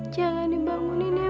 jangan dibangunin mak